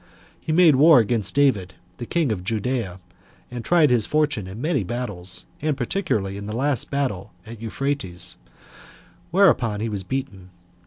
He made war against David, the king of Judea, and tried his fortune in many battles, and particularly in the last battle at Euphrates, wherein he was beaten.